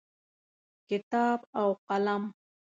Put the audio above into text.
کتاب او قلم